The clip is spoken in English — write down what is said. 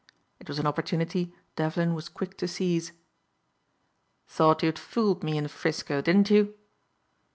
It was an opportunity Devlin was quick to seize. "Thought you'd fooled me in 'Frisco, didn't you?"